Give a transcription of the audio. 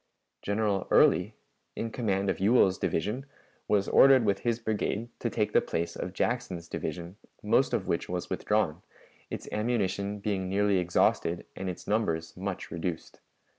General Early, in command of Ewell's division, was ordered with his brigade to take the place of Jackson's division, most of which was withdrawn, its ammunition being nearly exhausted and its numbers much reduced.